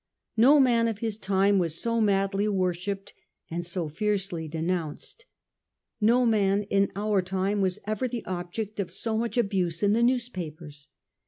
No man of his time was so madly worshipped and so fiercely denounced. No man in our time was ever the object of so much abuse in the newspapers.